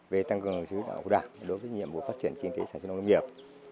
về tăng cường sử dụng đạo đảng đối với nhiệm vụ phát triển kinh tế sản xuất lâm nghiệp